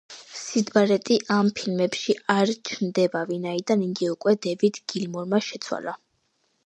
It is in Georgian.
სიდ ბარეტი ამ ფილმებში არ ჩნდება, ვინაიდან იგი უკვე დევიდ გილმორმა შეცვალა.